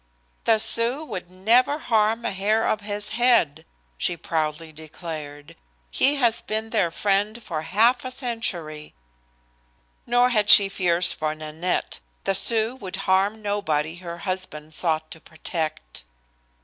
"The Sioux would never harm a hair of his head," she proudly declared. "He has been their friend for half a century." Nor had she fears for Nanette. The Sioux would harm nobody her husband sought to protect.